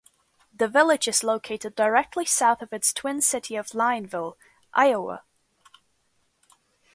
The village is located directly south of its twin city of Lineville, Iowa.